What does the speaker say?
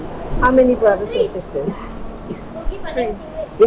apakah kamu punya adik beraninya